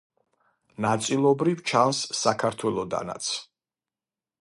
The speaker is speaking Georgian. ნაწილობრივ ჩანს საქართველოდანაც.